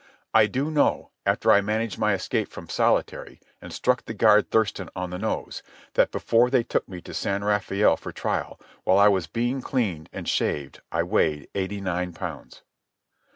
I do know, after I managed my escape from solitary and struck the guard Thurston on the nose, that before they took me to San Rafael for trial, while I was being cleaned and shaved I weighed eighty nine pounds.